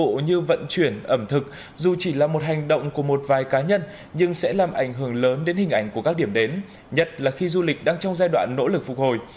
dịch vụ như vận chuyển ẩm thực dù chỉ là một hành động của một vài cá nhân nhưng sẽ làm ảnh hưởng lớn đến hình ảnh của các điểm đến nhất là khi du lịch đang trong giai đoạn nỗ lực phục hồi